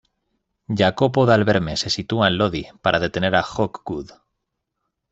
Jacopo dal Verme se sitúa en Lodi para detener a Hawkwood.